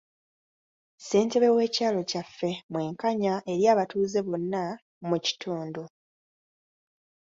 Ssentebe w'ekyalo kyaffe mwenkanya eri abatuuze bonna mu kitundu.